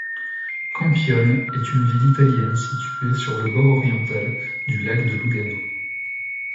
Campione est une ville italienne située sur le bord oriental du lac de Lugano.